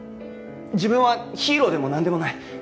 自分はヒーローでもなんでもない。